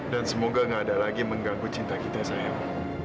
dan semoga gak ada lagi yang mengganggu cinta kita sayang